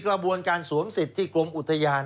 เพราะฉะนั้นคุณมิ้นท์พูดเนี่ยตรงเป้งเลย